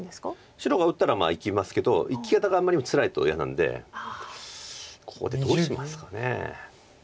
白が打ったらまあ生きますけど生き方があんまりにもつらいと嫌なんでここでどうしますか。